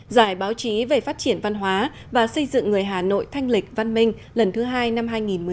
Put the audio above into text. giải báo chí về phát triển văn hóa và xây dựng người hà nội thanh lịch văn minh lần thứ hai năm hai nghìn một mươi chín